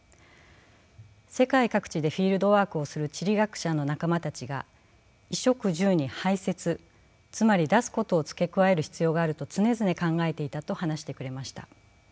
世界各地でフィールドワークをする地理学者の仲間たちが衣食住に排泄つまり出すことを付け加える必要があると常々考えていたと話してくれました。